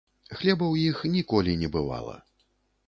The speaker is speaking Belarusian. Хлеба ў іх ніколі не бывала.